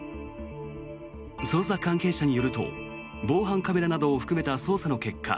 捜査関係者によると防犯カメラなどを含めた捜査の結果